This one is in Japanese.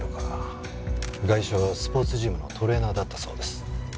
ガイシャはスポーツジムのトレーナーだったそうです。